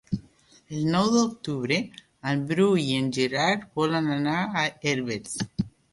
El nou d'octubre en Bru i en Gerard volen anar a Herbers.